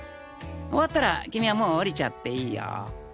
終わったら君はもう降りちゃっていいよ。